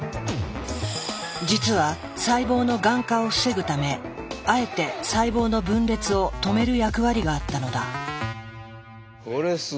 実は細胞のがん化を防ぐためあえて細胞の分裂を止める役割があったのだ。